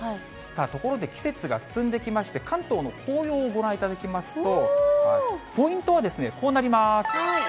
ところで季節が進んできまして、関東の紅葉をご覧いただきますと、ポイントはこうなります。